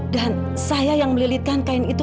dan saya yang melilikan kain itu